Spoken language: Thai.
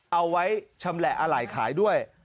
เอาไว้ชำแหละอะไหล่ขายด้วย